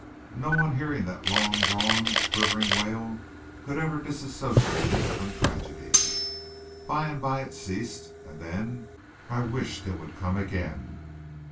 No one hearing that long drawn, quivering wail could ever disassociate it from tragedy. By and by it ceased, and then I wished it would come again.